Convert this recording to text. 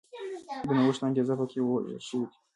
د نوښت انګېزه په کې وژل شوې وه.